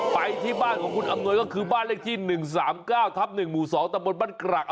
ไปที่บ้านของคุณอำนวยก็คือบ้านเลขที่๑๓๙ทับ๑หมู่๒ตะบนบ้านกรัก